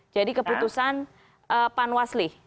jadi keputusan pan waslih